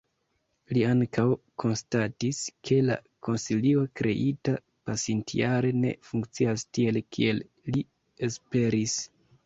Li ankaŭ konstatis, ke la konsilio kreita pasintjare ne funkcias tiel kiel li esperis.